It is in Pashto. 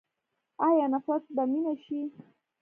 آیا نفرت به مینه شي؟